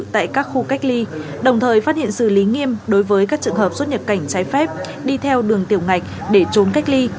tại các khu cách ly đồng thời phát hiện xử lý nghiêm đối với các trường hợp xuất nhập cảnh trái phép đi theo đường tiểu ngạch để trốn cách ly